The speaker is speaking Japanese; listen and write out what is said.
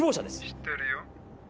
知ってるよ。